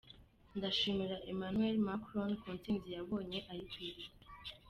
Ndashimira Emmanuel Macron ku nsinzi yabonye ayikwiriye”